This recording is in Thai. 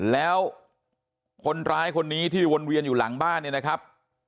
แล้วคนร้ายคนนี้ที่วนเวียนอยู่หลังบ้านเนี่ยนะครับ